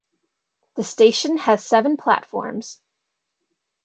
The station has seven platforms.